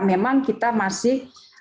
memang kita masih